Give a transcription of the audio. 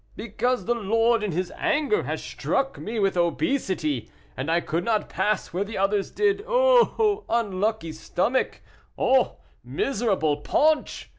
"Because the Lord in His anger has struck me with obesity, and I could not pass where the others did. Oh! unlucky stomach! Oh! miserable paunch!"